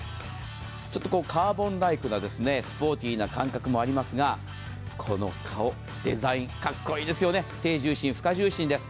ちょっとカーボンライクなスポーティーな感覚もありますがこのデザイン、かっこいいですよね低重心です。